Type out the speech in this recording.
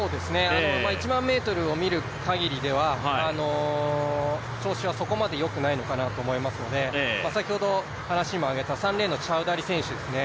１００００ｍを見るかぎりは調子はそこまでよくないのかなと思いますので３レーンのチャウダリ選手ですね。